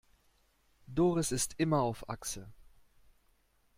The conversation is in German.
Doris ist immer auf Achse.